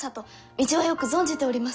道はよく存じております！